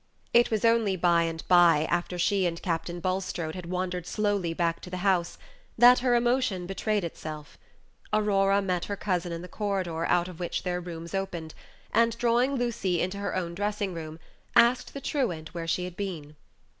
It was only by and by, after she and Captain Bulstrode had wandered slowly back to the house, that her emotion betrayed itself. Aurora met her cousin in the corridor out of which their rooms opened, and, drawing Lucy into her own dressing room, asked the truant where she had been.